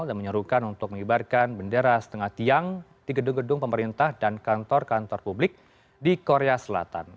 dan menyerukan untuk mengibarkan bendera setengah tiang di gedung gedung pemerintah dan kantor kantor publik di korea selatan